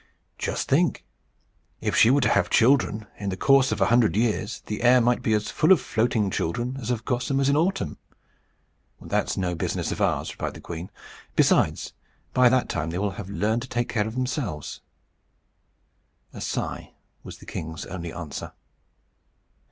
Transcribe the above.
"Just think! If she were to have children! In the course of a hundred years the air might be as full of floating children as of gossamers in autumn." "That is no business of ours," replied the queen. "Besides, by that time they will have learned to take care of themselves." A sigh was the king's only answer.